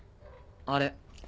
あれ。